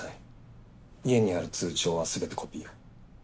家にある通帳は全てコピーを。